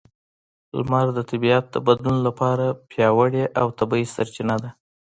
لمر د طبیعت د بدلون لپاره پیاوړې او طبیعي سرچینه ده.